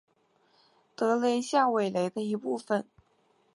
德雷下韦雷的一部分。